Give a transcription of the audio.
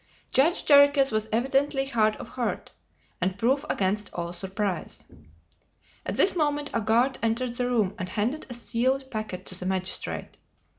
Judge Jarriquez was evidently hard of heart, and proof against all surprise. At this moment a guard entered the room, and handed a sealed packet to the magistrate.